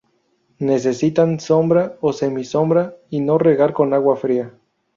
Necesitan sombra o semisombra y no regar con agua fría.